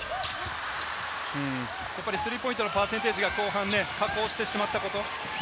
スリーポイントのパーセンテージが後半、落ちてしまったこと。